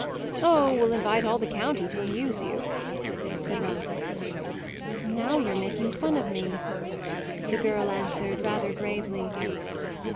"Oh, we'll invite all the county to amuse you," said Ralph. "Now you're making fun of me," the girl answered rather gravely.